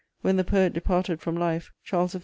When the poet departed from life, Charles I.